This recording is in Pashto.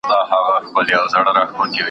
ماته پیر ماته مي پلار ده بس یوه سجده ښودلې